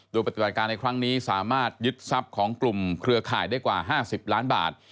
โดยปฏิบัติการในครั้งนี้สามารถยึดทรัพย์ของกลุ่มเครือข่ายได้กว่า๕๐ล้านบาท